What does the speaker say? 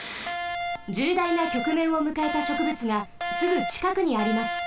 じゅうだいなきょくめんをむかえたしょくぶつがすぐちかくにあります。